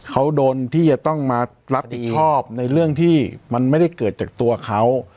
เขาโดนที่จะต้องมารับผิดชอบในเรื่องที่มันไม่ได้เกิดจากตัวเขา